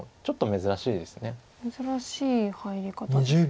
珍しい入り方ですか。